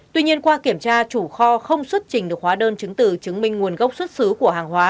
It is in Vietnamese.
tuy nhiên qua kiểm tra chủ kho không xuất trình được hóa đơn chứng từ chứng minh nguồn gốc xuất xứ của hàng hóa